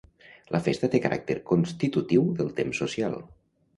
La festa té caràcter constitutiu del temps social.